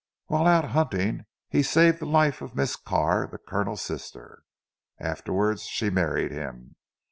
While out hunting, he saved the life of Miss Carr the Colonel's sister. Afterwards she married him.